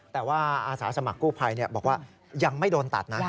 แต่ว่าอาสาสมัครกู้ภัยบอกว่ายังไม่โดนตัดนะ